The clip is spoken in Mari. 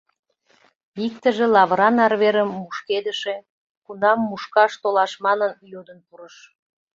Иктыже лавыран арверым мушкедыше, кунам мушкаш толаш манын йодын пурыш.